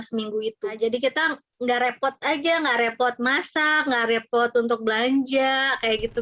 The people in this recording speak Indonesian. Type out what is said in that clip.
seminggu itu jadi kita enggak repot aja enggak repot masa enggak repot untuk belanja kayak gitu